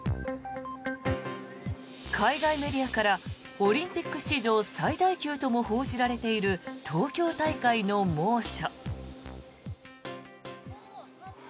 海外メディアからオリンピック史上最大級とも報じられている東京大会の猛暑。